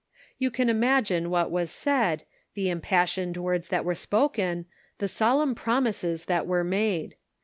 You can imagine what was said, the impas sioned words that were spoken, the solemn promises that were made.